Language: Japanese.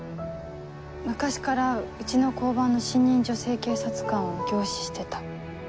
昔からうちの交番の新任女性警察官を凝視してた。